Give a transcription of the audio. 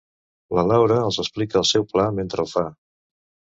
La Laura els explica el seu pla mentre el fa.